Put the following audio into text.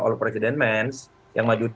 all president man yang maju